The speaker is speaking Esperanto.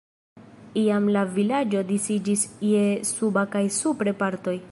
Iam la vilaĝo disiĝis je suba kaj supre partoj.